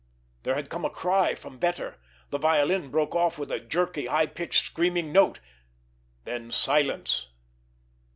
There had come a cry from Vetter. The violin broke off with a jerky, high pitched, screaming note. Then silence.